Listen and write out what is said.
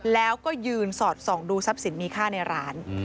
แล้วก็ยืนสอดส่องดูทรัพย์สินมีค่าในร้าน